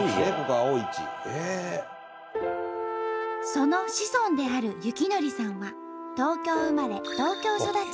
その子孫である幸紀さんは東京生まれ東京育ち。